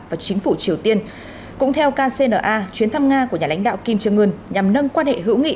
và chính phủ triều tiên cũng theo kcna chuyến thăm nga của nhà lãnh đạo kim trương ưn nhằm nâng quan hệ hữu nghị